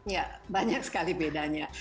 ya banyak sekali bedanya